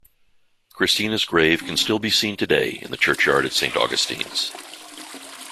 Christina's grave can still be seen today in the churchyard at Saint Augustine's.